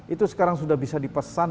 itu sekarang sudah bisa dipesan